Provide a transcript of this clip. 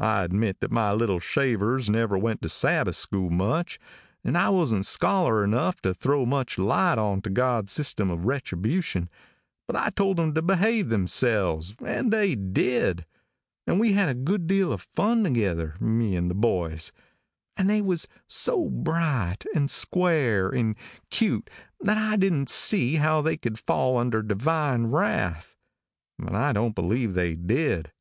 I admit that my little shavers never went to Sabbath school much, and I wasn't scholar enough to throw much light onto God's system of retribution, but I told 'em to behave themselves, and they did, and we had a good deal of fun together me and the boys and they was so bright, and square, and cute that I didn't see how they could fall under divine wrath, and I don't believe they did.